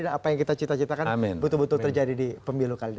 dan apa yang kita cita citakan betul betul terjadi di pemilu kali ini